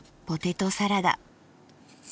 ポテトサラダ。